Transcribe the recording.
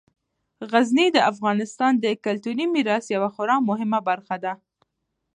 غزني د افغانستان د کلتوري میراث یوه خورا مهمه برخه ده.